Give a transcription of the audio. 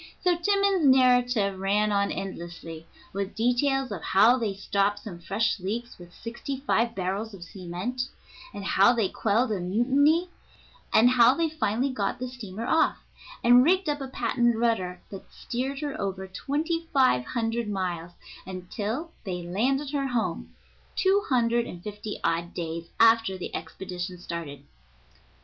So Timmans's narrative ran on endlessly, with details of how they stopped some fresh leaks with sixty five barrels of cement, and how they quelled a mutiny and how they finally got the steamer off, and rigged up a patent rudder that steered her over twenty five hundred miles, until they landed her home, two hundred and fifty odd days after the expedition started.